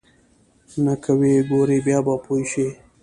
نه که ويې وګورې بيا به پوى شې.